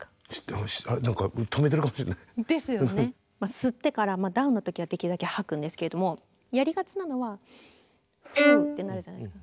吸ってからダウンの時はできるだけはくんですけれどもやりがちなのはフーッてなるじゃないですか。